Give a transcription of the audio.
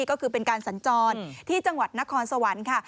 ก็คือเป็นการสัญจรที่จังหวัดนครสวรรค์ค่ะ